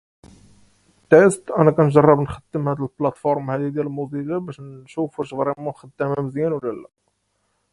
He associated with many Mennonite leaders, including Leonhard Sudermann.